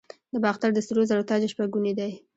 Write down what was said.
د باختر د سرو زرو تاج شپږ ګونی دی